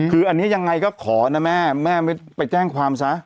คืออันนี้ยังไงก็ขอนะแม่แม่ไม่ไปแจ้งความซะ